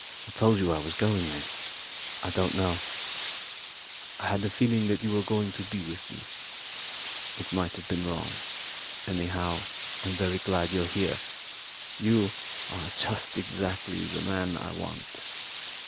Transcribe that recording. I told you I was going there." "I don't know. I had a feeling that you were going to be with me. It might have been wrong. Anyhow, I'm very glad you're here. You are just exactly the man I want.